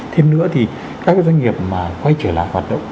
thêm nữa thì các doanh nghiệp mà quay trở lại hoạt động